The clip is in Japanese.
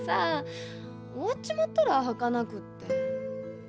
終わっちまったらはかなくて。